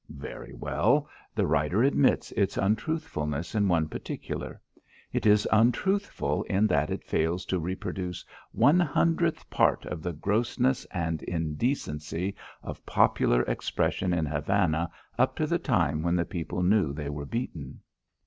Very well; the writer admits its untruthfulness in one particular. It is untruthful in that it fails to reproduce one hundredth part of the grossness and indecency of popular expression in Havana up to the time when the people knew they were beaten.